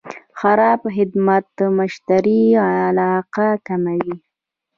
خراب خدمت د مشتری علاقه کموي.